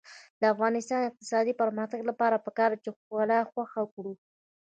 د افغانستان د اقتصادي پرمختګ لپاره پکار ده چې ښکلا خوښه کړو.